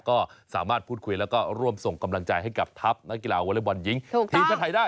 ก็สามารถพูดคุยแล้วก็ร่วมส่งกำลังใจให้กับทัพนักกีฬาวอเล็กบอลหญิงทีมชาติไทยได้